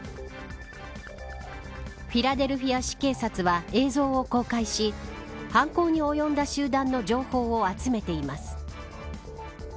フィラデルフィア市警察は映像を公開し犯行に及んだ集団の情報を集めています。